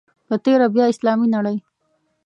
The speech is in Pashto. په تېره بیا اسلامي نړۍ.